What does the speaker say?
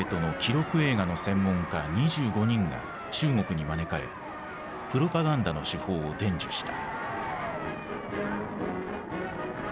映画の専門家２５人が中国に招かれプロパガンダの手法を伝授した。